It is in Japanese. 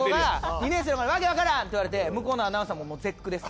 ２年生の子に訳わからんって言われて向こうのアナウンサーももう絶句です。